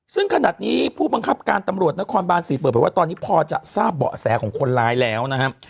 ซึ่งขนาดนี้ผู้บังคับการตำรวจนครบาน๔เปิดไปว่าตอนนี้พอจะทราบเบาะแสของคนร้ายแล้วนะครับ